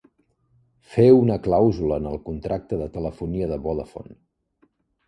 Fer una clàusula en el contracte de telefonia de Vodafone.